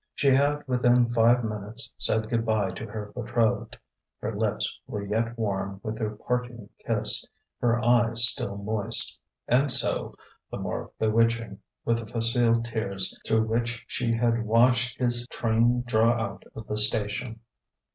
She had within five minutes said good bye to her betrothed; her lips were yet warm with their parting kiss, her eyes still moist and so, the more bewitching with the facile tears through which she had watched his train draw out of the station.